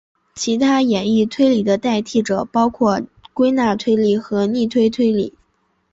其他演绎推理的替代者包括归纳推理和逆推推理。